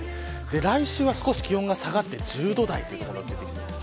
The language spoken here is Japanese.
来週は少し気温が下がって１０度台という所が出てきそうです。